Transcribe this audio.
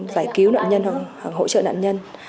giải cứu nạn nhân hoặc hỗ trợ nạn nhân